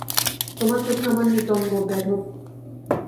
তোমার চোখে আমার নিতম্ব বেঢপ।